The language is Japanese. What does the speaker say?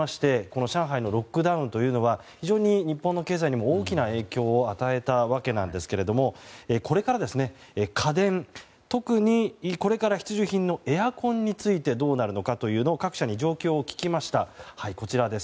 この上海のロックダウンというのは非常に、日本の経済にも大きな影響を与えたわけなんですけれどもこれから家電特にこれから必需品のエアコンについてどうなるのかというのを各社に状況を聞きました。